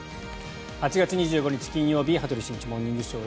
８月２５日、金曜日「羽鳥慎一モーニングショー」。